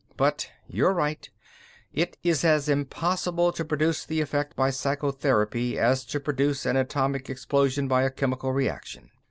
But you're right it is as impossible to produce the effect by psychotherapy as it is to produce an atomic explosion by a chemical reaction.